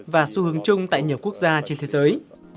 và xu hướng chung tại nhiều quốc gia trên thế giới